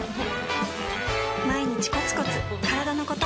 毎日コツコツからだのこと